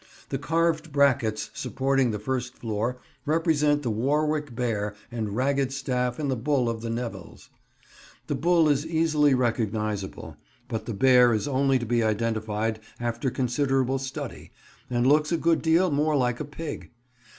The carved brackets supporting the first floor represent the Warwick Bear and Ragged Staff and the bull of the Nevilles. The bull is easily recognisable, but the bear is only to be identified after considerable study, and looks a good deal more like a pig.